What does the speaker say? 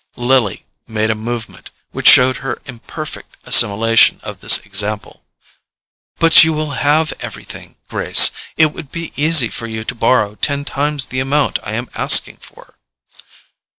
Lily made a movement which showed her imperfect assimilation of this example. "But you will have everything, Grace—it would be easy for you to borrow ten times the amount I am asking for."